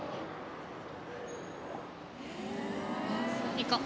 行こう。